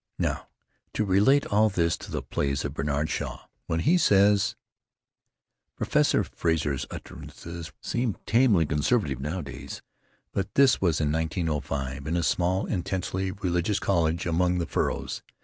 "Now, to relate all this to the plays of Bernard Shaw. When he says——" Professor Frazer's utterances seem tamely conservative nowadays; but this was in 1905, in a small, intensely religious college among the furrows.